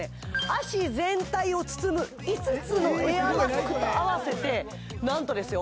足全体を包む５つのエアバッグと合わせてなんとですよ